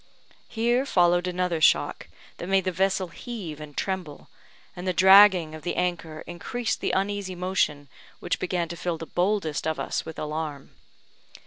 Here followed another shock, that made the vessel heave and tremble; and the dragging of the anchor increased the uneasy motion which began to fill the boldest of us with alarm.